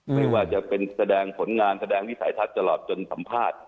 ไม่ว่าจะเป็นแสดงผลงานแสดงวิสัยทัศน์ตลอดจนสัมภาษณ์